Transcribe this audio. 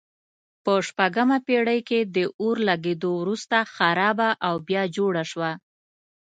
په شپږمه پېړۍ کې د اور لګېدو وروسته خرابه او بیا جوړه شوه.